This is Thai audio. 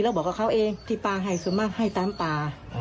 แล้วบอกกับเขาเองที่ป้าให้สุมาให้ตามป่า